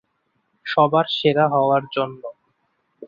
সবার সেরা হওয়ার জন্য।